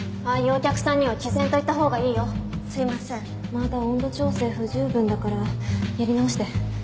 まだ温度調整不十分だからやり直して